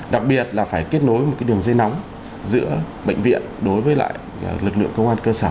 đặc biệt là phải kết nối một đường dây nóng giữa bệnh viện đối với lại lực lượng công an cơ sở